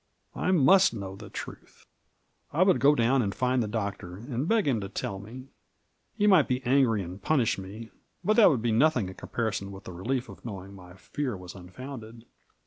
I must know the truth. I would go down and find the Doctor, and beg him to tell me ; he might be angry and punish me — ^but that would be nothing in comparison with the relief of knowing my fear was unfounded.